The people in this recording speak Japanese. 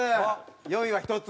４位は１つ。